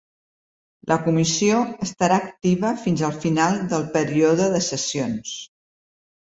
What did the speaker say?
La comissió estarà activa fins al final del període de sessions.